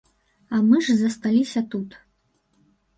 А мы ж засталіся тут.